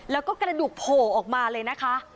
แล้วก็กระดูกโผล่ออกมาเลยนะคะ